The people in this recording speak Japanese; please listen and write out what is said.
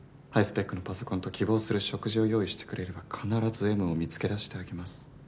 ハイスペックのパソコンと希望する食事を用意してくれれば必ずＭを見つけ出してあげます